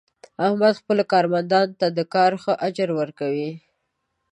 احمد خپلو کارمندانو ته د کار ښه اجر ور کوي.